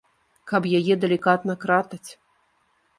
Каб яе далікатна кратаць.